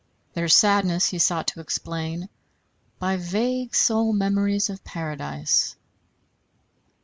Their sadness he sought to explain by vague soul memories of Paradise.